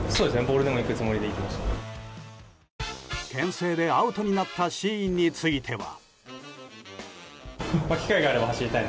牽制でアウトになったシーンについては。